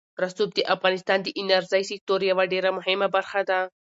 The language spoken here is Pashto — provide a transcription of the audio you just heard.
رسوب د افغانستان د انرژۍ سکتور یوه ډېره مهمه برخه ده.